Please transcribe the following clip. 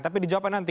tapi dijawabkan nanti